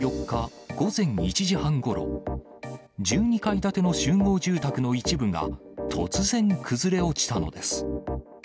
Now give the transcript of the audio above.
２４日午前１時半ごろ、１２階建ての集合住宅の一部が突然、崩れ落ちたのです。